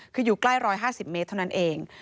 คืออยู่ใกล้๑๕๐เมตรเท่านั้นเอง